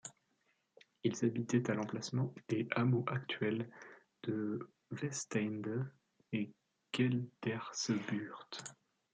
Ils habitaient à l'emplacement des hameaux actuels de Westeinde et Gelderse Buurt.